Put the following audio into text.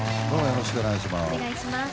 よろしくお願いします。